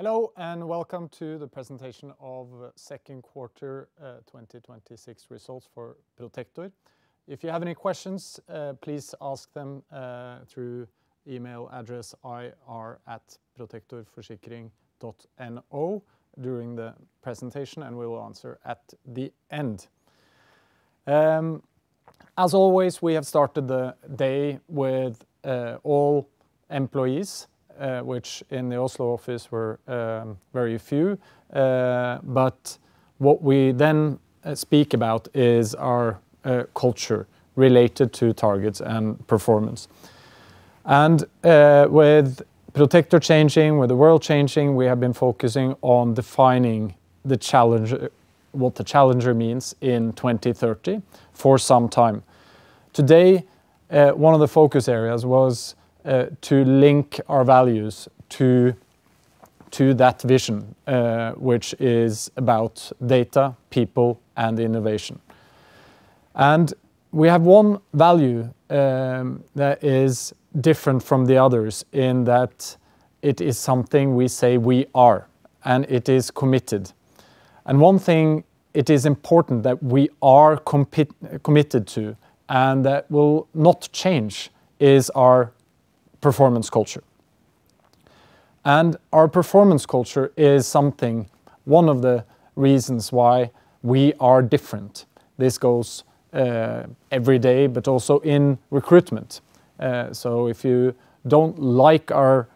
Hello, welcome to the presentation of second quarter 2026 results for Protector. If you have any questions, please ask them through email address ir@protectorforsikring.no during the presentation, and we will answer at the end. As always, we have started the day with all employees, which in the Oslo office were very few. What we then speak about is our culture related to targets and performance. With Protector changing, with the world changing, we have been focusing on defining what the challenger means in 2030 for some time. Today, one of the focus areas was to link our values to that vision, which is about data, people, and innovation. We have one value that is different from the others in that it is something we say we are, and it is committed. One thing it is important that we are committed to and that will not change is our performance culture. Our performance culture is one of the reasons why we are different. This goes every day, but also in recruitment. If you don't like our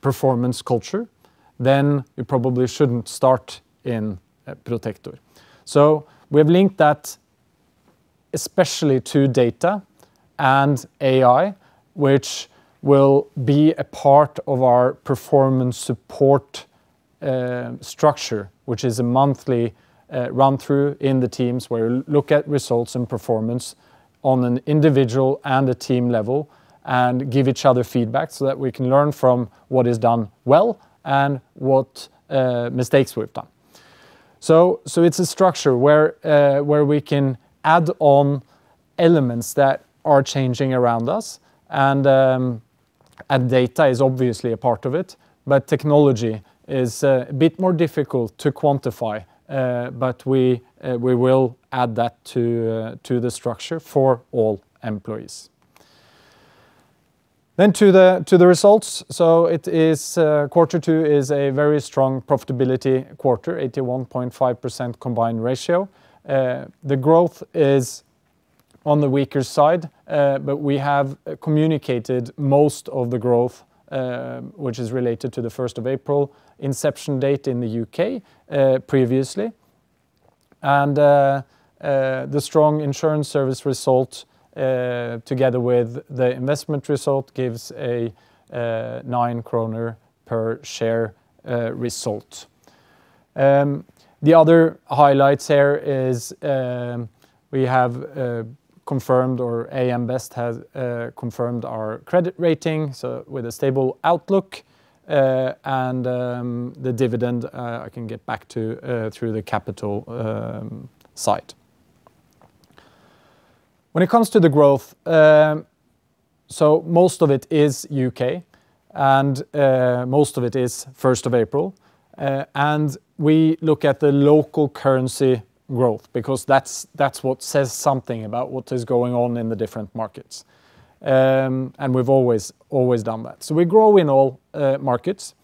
performance culture, then you probably shouldn't start in Protector. We've linked that especially to data and AI, which will be a part of our performance support structure, which is a monthly run-through in the teams where you look at results and performance on an individual and a team level and give each other feedback so that we can learn from what is done well and what mistakes we've done. It's a structure where we can add on elements that are changing around us. Data is obviously a part of it, but technology is a bit more difficult to quantify. We will add that to the structure for all employees. To the results. Q2 is a very strong profitability quarter, 81.5% combined ratio. The growth is on the weaker side, but we have communicated most of the growth, which is related to the 1st of April inception date in the U.K. previously. The strong insurance service result, together with the investment result, gives a 9 kroner per share result. The other highlights here is we have confirmed, or AM Best has confirmed our credit rating, so with a stable outlook. The dividend, I can get back to through the capital site. When it comes to the growth, so most of it is U.K. and most of it is 1st of April. We look at the local currency growth because that's what says something about what is going on in the different markets. We've always done that. We grow in all markets.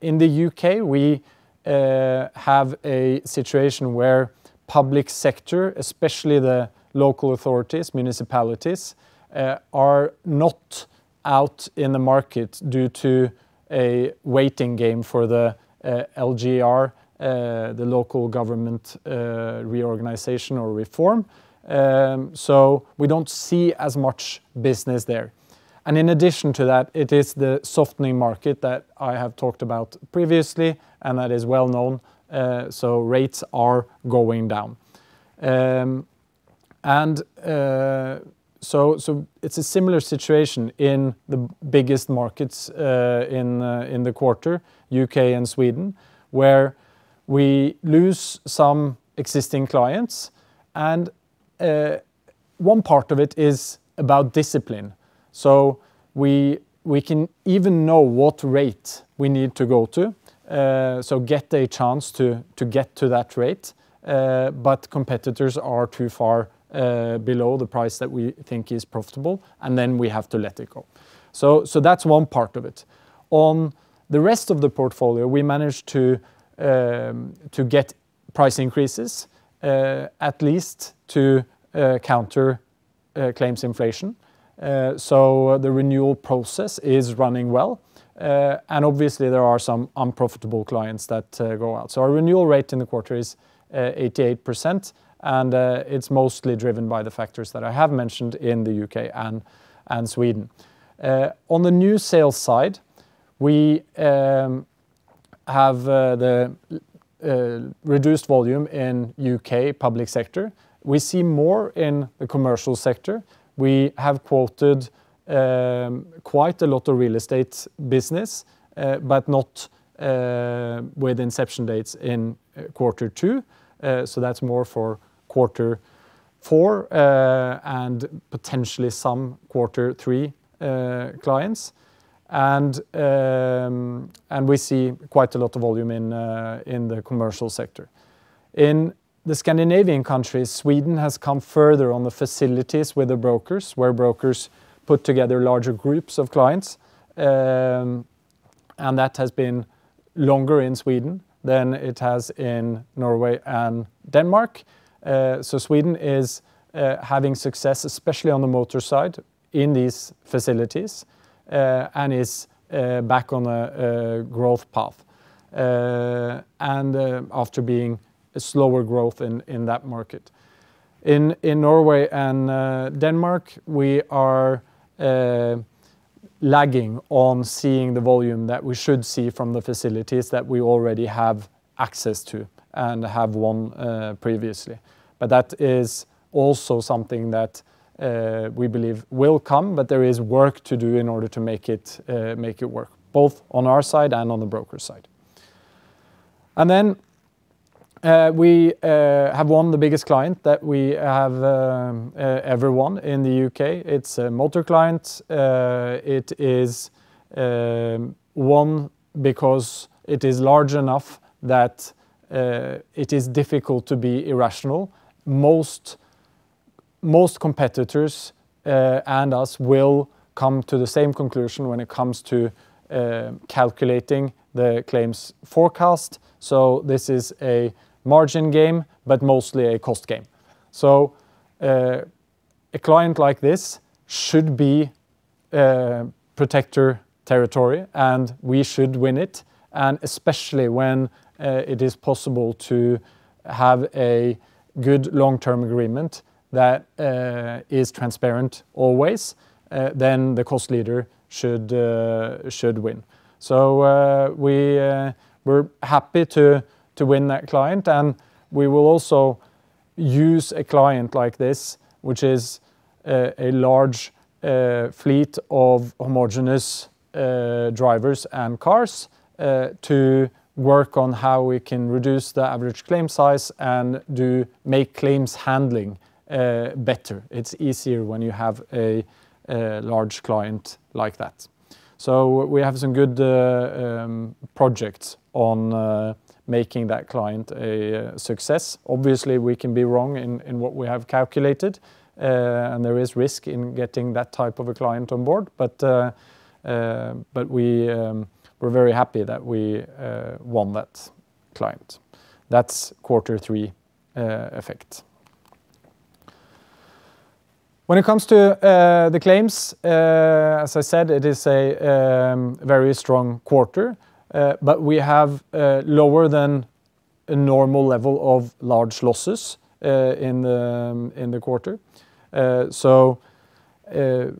In the U.K., we have a situation where public sector, especially the local authorities, municipalities, are not out in the market due to a waiting game for the LGR, the local government reorganization or reform. We don't see as much business there. In addition to that, it is the softening market that I have talked about previously and that is well known. Rates are going down. It's a similar situation in the biggest markets in the quarter, U.K. and Sweden, where we lose some existing clients and one part of it is about discipline. We can even know what rate we need to go to, get a chance to get to that rate, competitors are too far below the price that we think is profitable, we have to let it go. That's one part of it. On the rest of the portfolio, we managed to get price increases, at least to counter claims inflation. The renewal process is running well. Obviously, there are some unprofitable clients that go out. Our renewal rate in the quarter is 88%, and it's mostly driven by the factors that I have mentioned in the U.K. and Sweden. On the new sales side, we have the reduced volume in U.K. public sector. We see more in the commercial sector. We have quoted quite a lot of real estate business, not with inception dates in Q2. That's more for Q3, and potentially some Q3 clients. We see quite a lot of volume in the commercial sector. In the Scandinavian countries, Sweden has come further on the facilities with the brokers, where brokers put together larger groups of clients. That has been longer in Sweden than it has in Norway and Denmark. Sweden is having success, especially on the motor side, in these facilities, and is back on a growth path after being a slower growth in that market. In Norway and Denmark, we are lagging on seeing the volume that we should see from the facilities that we already have access to and have won previously. That is also something that we believe will come, but there is work to do in order to make it work, both on our side and on the broker side. We have won the biggest client that we have ever won in the U.K. It's a motor client. It is one because it is large enough that it is difficult to be irrational. Most competitors and us will come to the same conclusion when it comes to calculating the claims forecast. This is a margin game, but mostly a cost game. A client like this should be Protector territory, and we should win it, and especially when it is possible to have a good long-term agreement that is transparent always, then the cost leader should win. We're happy to win that client, and we will also use a client like this, which is a large fleet of homogenous drivers and cars, to work on how we can reduce the average claim size and make claims handling better. It's easier when you have a large client like that. We have some good projects on making that client a success. Obviously, we can be wrong in what we have calculated. There is risk in getting that type of a client on board. We're very happy that we won that client. That's Q3 effect. When it comes to the claims, as I said, it is a very strong quarter, but we have lower than a normal level of large losses in the quarter. 4.6%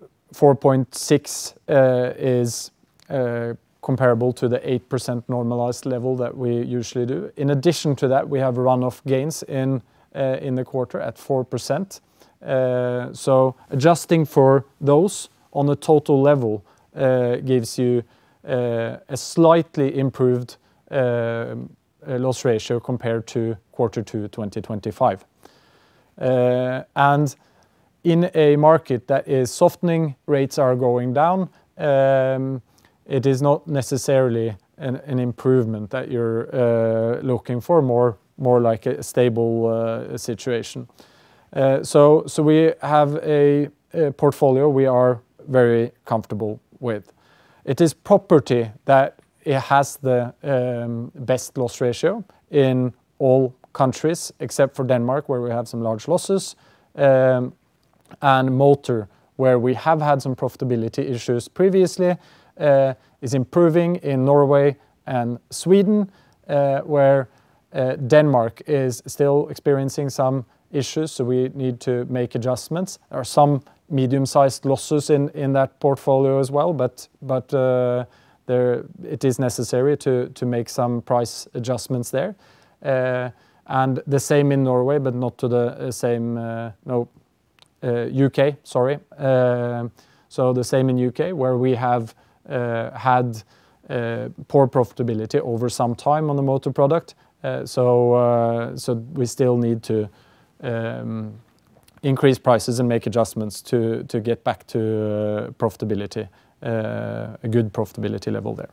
is comparable to the 8% normalized level that we usually do. In addition to that, we have run-off gains in the quarter at 4%. Adjusting for those on the total level gives you a slightly improved loss ratio compared to Q2 2025. In a market that is softening, rates are going down, it is not necessarily an improvement that you're looking for. More like a stable situation. We have a portfolio we are very comfortable with. It is property that has the best loss ratio in all countries except for Denmark, where we have some large losses. Motor, where we have had some profitability issues previously, is improving in Norway and Sweden, where Denmark is still experiencing some issues, we need to make adjustments. There are some medium-sized losses in that portfolio as well, but it is necessary to make some price adjustments there. The same in Norway, but not to the same. No, U.K., sorry. The same in U.K., where we have had poor profitability over some time on the motor product. We still need to increase prices and make adjustments to get back to profitability, a good profitability level there.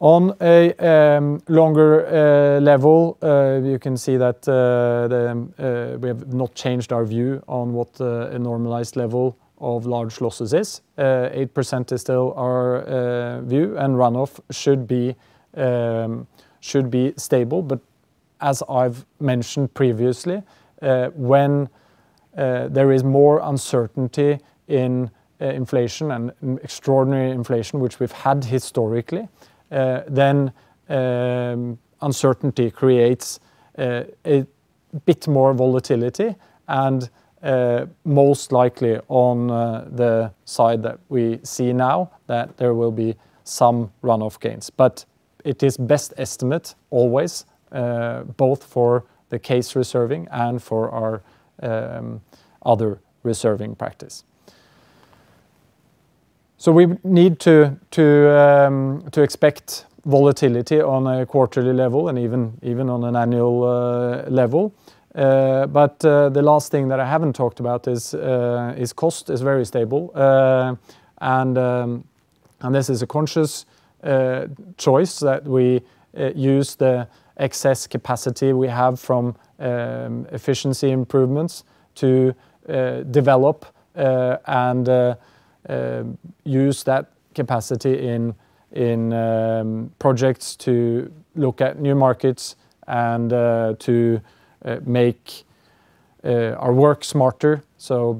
On a longer level, you can see that we have not changed our view on what a normalized level of large losses is. 8% is still our view, and run-off should be stable. As I've mentioned previously, when there is more uncertainty in inflation and extraordinary inflation, which we've had historically, then uncertainty creates a bit more volatility and most likely on the side that we see now, that there will be some run-off gains. It is best estimate always, both for the case reserving and for our other reserving practice. We need to expect volatility on a quarterly level and even on an annual level. The last thing that I haven't talked about is cost is very stable. This is a conscious choice that we use the excess capacity we have from efficiency improvements to develop and use that capacity in projects to look at new markets and to make our work smarter,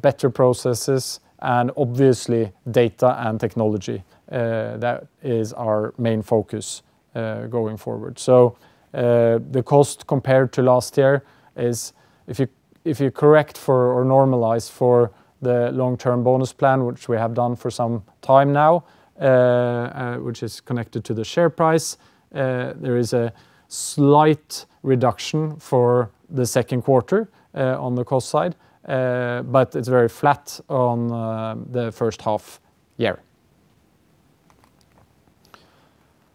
better processes and obviously data and technology. That is our main focus going forward. The cost compared to last year is, if you correct for or normalize for the long-term bonus plan, which we have done for some time now, which is connected to the share price, there is a slight reduction for the second quarter, on the cost side. It's very flat on the first half year.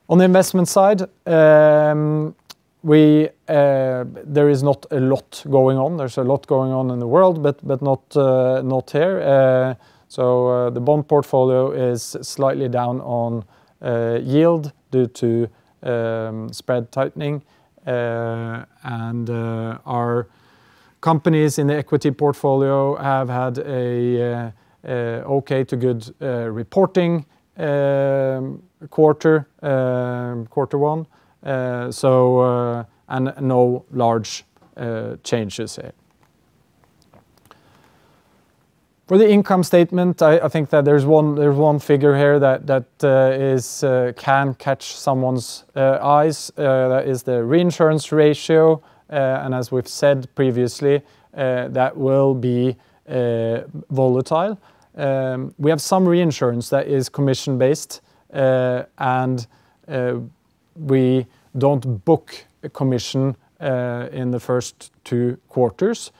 On the investment side, there is not a lot going on. There's a lot going on in the world, but not here. The bond portfolio is slightly down on yield due to spread tightening. Our companies in the equity portfolio have had a okay to good reporting quarter one. No large changes here. For the income statement, I think that there's one figure here that can catch someone's eyes. That is the reinsurance ratio, as we've said previously, that will be volatile. We have some reinsurance that is commission-based, we don't book a commission in the first two quarters.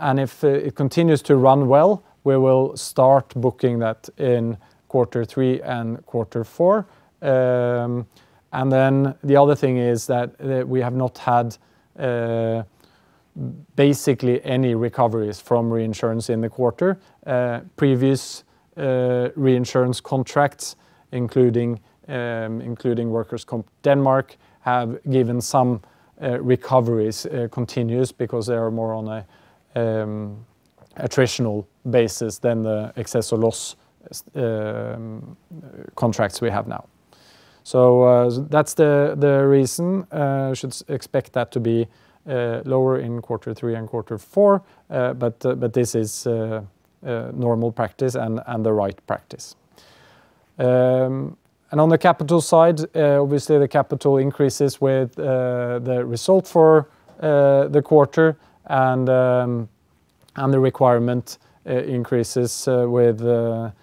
If it continues to run well, we will start booking that in quarter three and quarter four. The other thing is that we have not had basically any recoveries from reinsurance in the quarter. Previous reinsurance contracts, including Workers' Comp Denmark, have given some recoveries continuous because they are more on an attritional basis than the excess of loss contracts we have now. That's the reason. Should expect that to be lower in quarter three and quarter four. This is normal practice and the right practice. On the capital side, obviously the capital increases with the result for the quarter and the requirement increases with the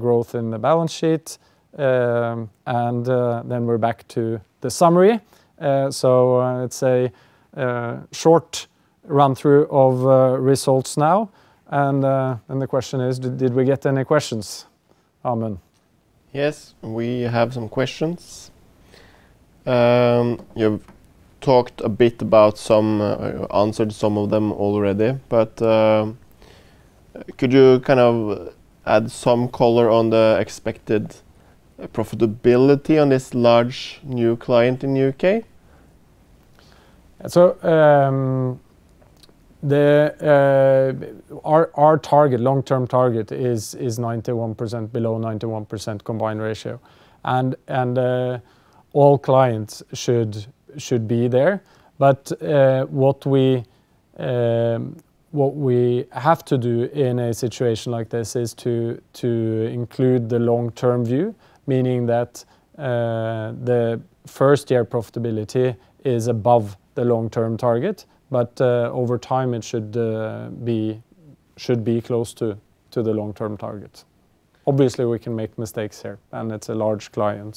growth in the balance sheet. Then we're back to the summary. It's a short run-through of results now, and the question is, did we get any questions, Amund? Yes, we have some questions. You've talked a bit about some, answered some of them already. Could you kind of add some color on the expected profitability on this large new client in U.K.? Our long-term target is below 91% combined ratio, and all clients should be there. What we have to do in a situation like this is to include the long-term view, meaning that the first-year profitability is above the long-term target. Over time, it should be close to the long-term target. Obviously, we can make mistakes here, and it's a large client.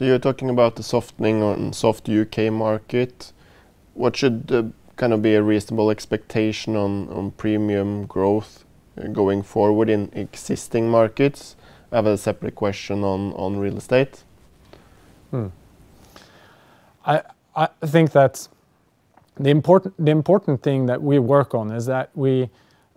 Yeah. You're talking about the softening on soft U.K. market. What should kind of be a reasonable expectation on premium growth going forward in existing markets? I have a separate question on real estate. I think that the important thing that we work on is that we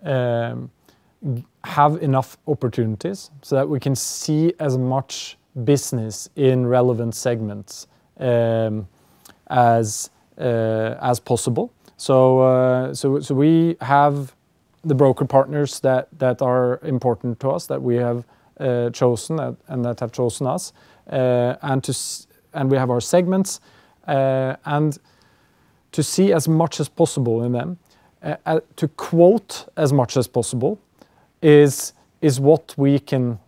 have enough opportunities so that we can see as much business in relevant segments as possible. We have the broker partners that are important to us, that we have chosen and that have chosen us, and we have our segments. To see as much as possible in them, to quote as much as possible is what we can do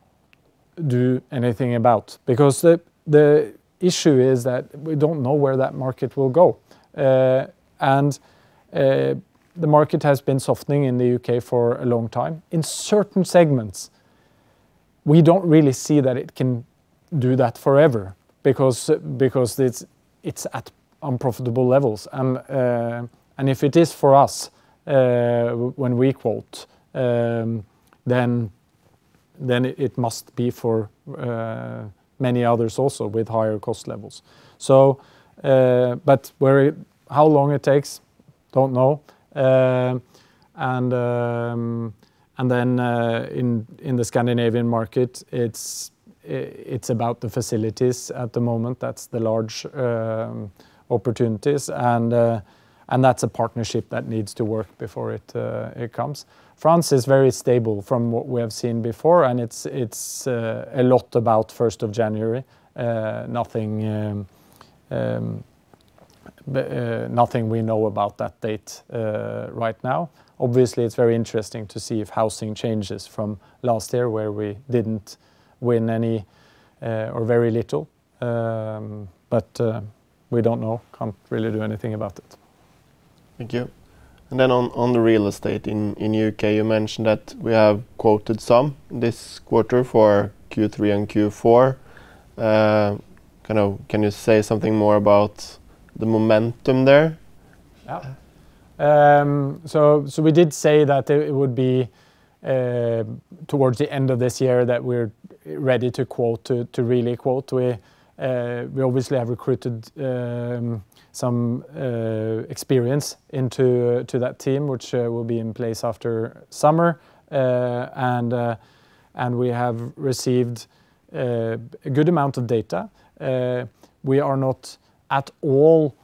anything about because the issue is that we don't know where that market will go. The market has been softening in the U.K. for a long time in certain segments. We don't really see that it can do that forever, because it's at unprofitable levels. If it is for us when we quote, then it must be for many others also with higher cost levels. How long it takes, don't know. In the Scandinavian market, it's about the facilities at the moment. That's the large opportunities, and that's a partnership that needs to work before it comes. France is very stable from what we have seen before, and it's a lot about 1st of January. Nothing we know about that date right now. Obviously, it's very interesting to see if housing changes from last year where we didn't win any or very little. We don't know. Can't really do anything about it. Thank you. On the real estate in U.K., you mentioned that we have quoted some this quarter for Q3 and Q4. Can you say something more about the momentum there? Yeah. We did say that it would be towards the end of this year that we're ready to really quote. We obviously have recruited some experience into that team, which will be in place after summer. We have received a good amount of data. We are not at all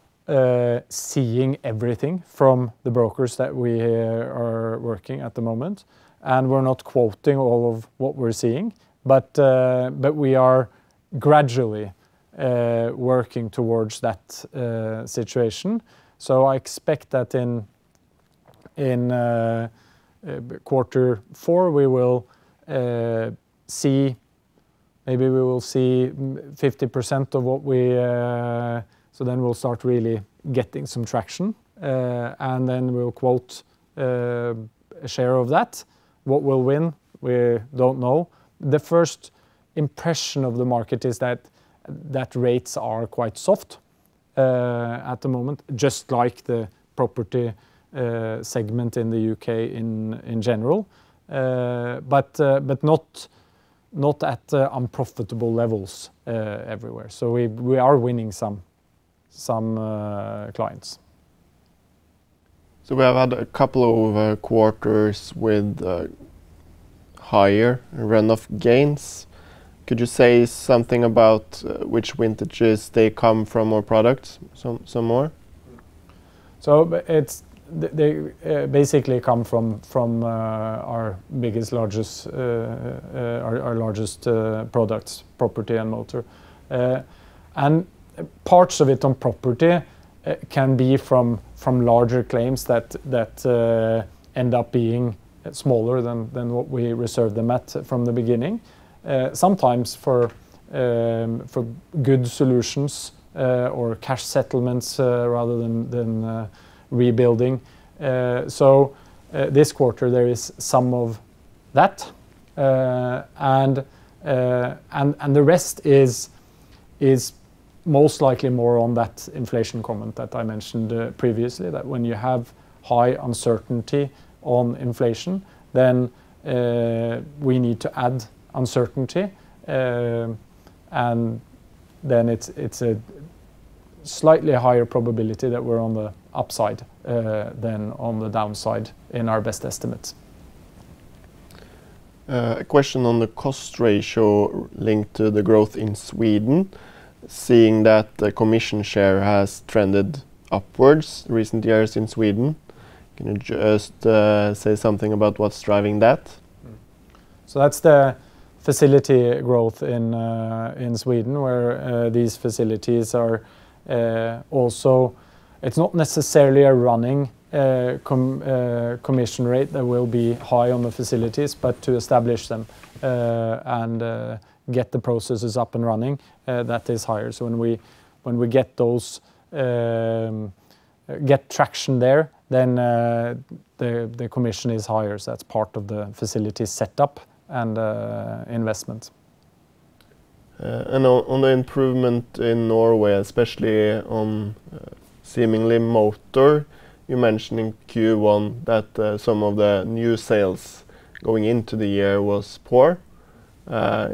seeing everything from the brokers that we are working at the moment, and we're not quoting all of what we're seeing. We are gradually working towards that situation. I expect that in quarter 4, maybe we will see 50%. We'll start really getting some traction, and then we'll quote a share of that. What we'll win, we don't know. The first impression of the market is that rates are quite soft at the moment, just like the property segment in the U.K. in general. Not at unprofitable levels everywhere. We are winning some clients. We have had a couple of quarters with higher run-off gains. Could you say something about which vintages they come from or products some more? They basically come from our largest products, property and motor. Parts of it on property can be from larger claims that end up being smaller than what we reserved them at from the beginning. Sometimes for good solutions or cash settlements rather than rebuilding. This quarter, there is some of that. The rest is most likely more on that inflation comment that I mentioned previously, that when you have high uncertainty on inflation, we need to add uncertainty. It's a slightly higher probability that we're on the upside than on the downside in our best estimates. A question on the cost ratio linked to the growth in Sweden, seeing that the commission share has trended upwards recent years in Sweden. Can you just say something about what's driving that? That's the facility growth in Sweden where these facilities are also, it's not necessarily a running commission rate that will be high on the facilities, but to establish them and get the processes up and running, that is higher. When we get traction there, then the commission is higher. That's part of the facility setup and investment. On the improvement in Norway, especially on seemingly motor, you mentioned in Q1 that some of the new sales going into the year was poor.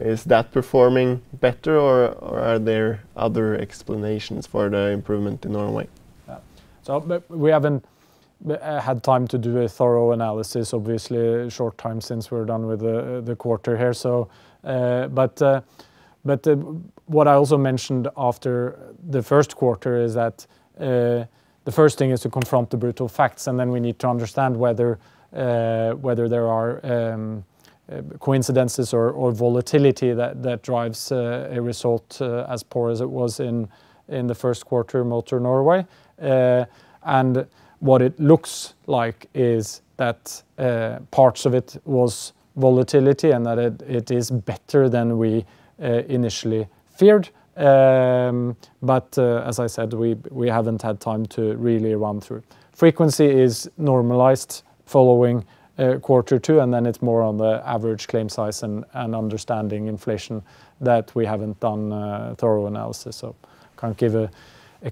Is that performing better, or are there other explanations for the improvement in Norway? We haven't had time to do a thorough analysis, obviously, a short time since we're done with the quarter here. What I also mentioned after the first quarter is that the first thing is to confront the brutal facts, and then we need to understand whether there are coincidences or volatility that drives a result as poor as it was in the first quarter motor Norway. What it looks like is that parts of it was volatility and that it is better than we initially feared. As I said, we haven't had time to really run through. Frequency is normalized following quarter two, and then it's more on the average claim size and understanding inflation that we haven't done a thorough analysis. Can't give a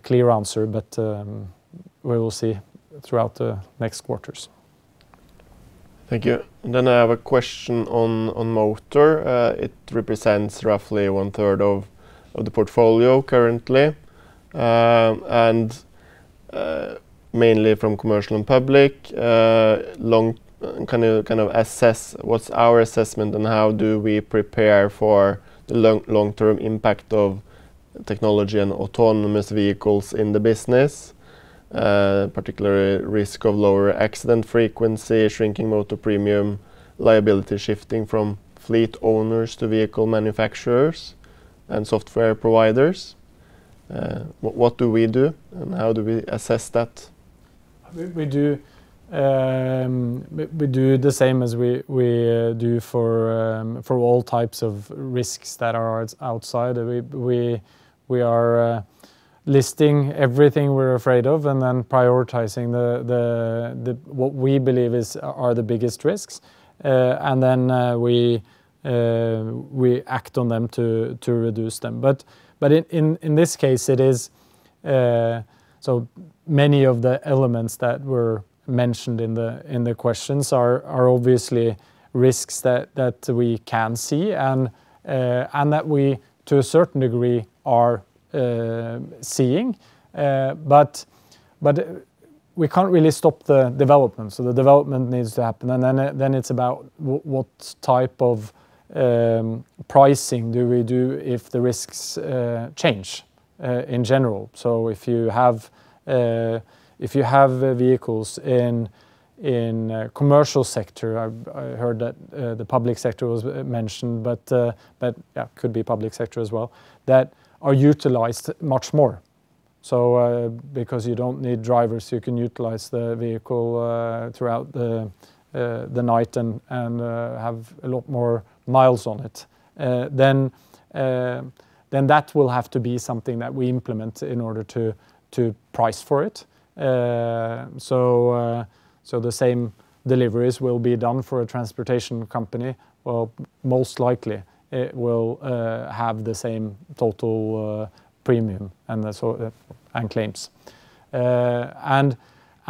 clear answer, but we will see throughout the next quarters. Thank you. I have a question on motor. It represents roughly one third of the portfolio currently, mainly from commercial and public. Can you assess what's our assessment and how do we prepare for the long-term impact of technology and autonomous vehicles in the business, particularly risk of lower accident frequency, shrinking motor premium liability shifting from fleet owners to vehicle manufacturers and software providers? What do we do and how do we assess that? We do the same as we do for all types of risks that are outside. We are listing everything we're afraid of and then prioritizing what we believe are the biggest risks, and then we act on them to reduce them. In this case, so many of the elements that were mentioned in the questions are obviously risks that we can see and that we, to a certain degree, are seeing. We can't really stop the development. The development needs to happen, and then it's about what type of pricing do we do if the risks change in general. If you have vehicles in commercial sector, I heard that the public sector was mentioned, but that could be public sector as well, that are utilized much more. Because you don't need drivers, you can utilize the vehicle throughout the night and have a lot more miles on it. That will have to be something that we implement in order to price for it. The same deliveries will be done for a transportation company, or most likely, it will have the same total premium and claims.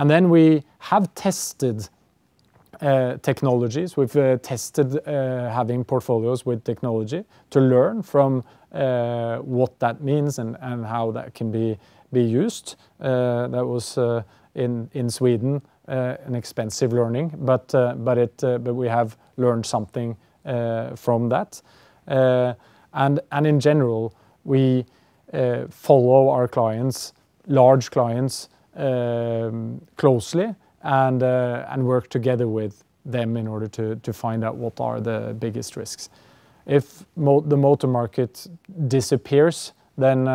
We have tested technologies. We've tested having portfolios with technology to learn from what that means and how that can be used. That was, in Sweden, an expensive learning, but we have learned something from that. In general, we follow our clients, large clients, closely and work together with them in order to find out what are the biggest risks. If the motor market disappears, then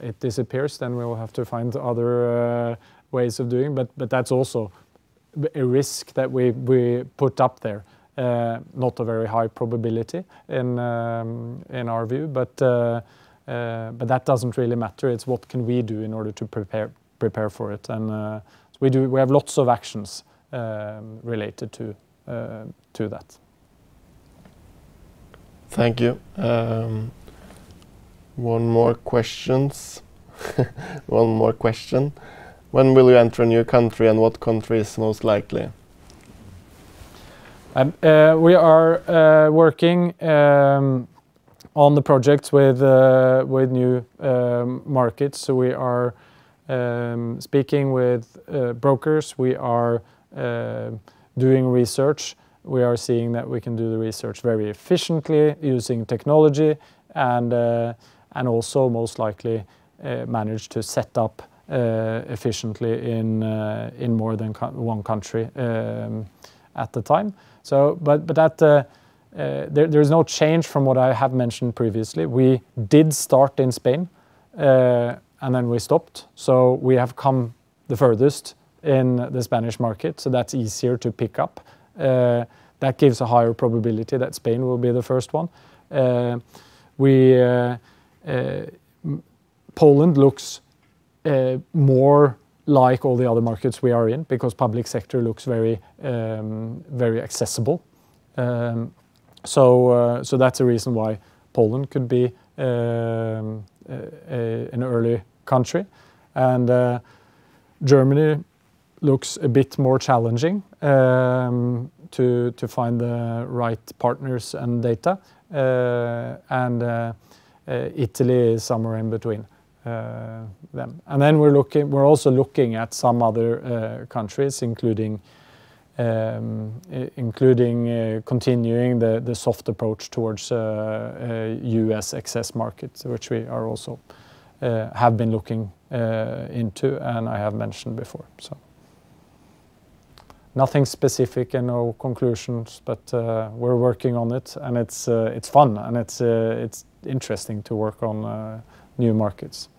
it disappears, then we will have to find other ways of doing, but that's also a risk that we put up there. Not a very high probability in our view, but that doesn't really matter. It's what can we do in order to prepare for it, and we have lots of actions related to that. Thank you. One more question. When will you enter a new country, and what country is most likely? We are working on the project with new markets, we are speaking with brokers. We are doing research. We are seeing that we can do the research very efficiently using technology and also most likely manage to set up efficiently in more than one country at the time. There is no change from what I have mentioned previously. We did start in Spain, then we stopped. We have come the furthest in the Spanish market, so that's easier to pick up. That gives a higher probability that Spain will be the first one. Poland looks more like all the other markets we are in because public sector looks very accessible. That's a reason why Poland could be an early country, Germany looks a bit more challenging to find the right partners and data, Italy is somewhere in between them. We're also looking at some other countries, including continuing the soft approach towards U.S. excess markets, which we also have been looking into and I have mentioned before. Nothing specific and no conclusions, but we're working on it, and it's fun, and it's interesting to work on new markets,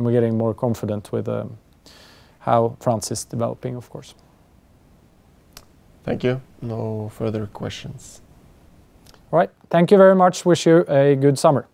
and we're getting more confident with how France is developing, of course. Thank you. No further questions. All right. Thank you very much. Wish you a good summer.